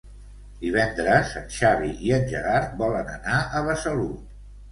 Divendres en Xavi i en Gerard volen anar a Besalú.